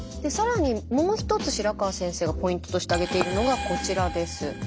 更にもう１つ白河先生がポイントとして挙げているのがこちらです。